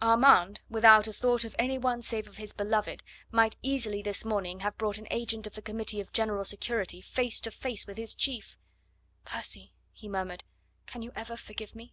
Armand, without a thought of any one save of his beloved, might easily this morning have brought an agent of the Committee of General Security face to face with his chief. "Percy," he murmured, "can you ever forgive me?"